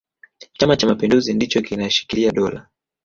chama cha mapinduzi ndicho kinashikilia dola